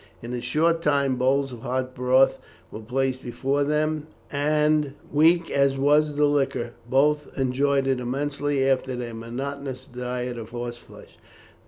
In a short time bowls of hot broth were placed before them, and, weak as was the liquor, both enjoyed it immensely after their monotonous diet of horse flesh.